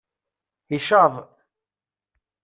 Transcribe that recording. Icaḍ!